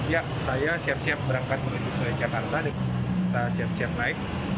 ya saya siap siap berangkat menuju ke jakarta kita siap siap naik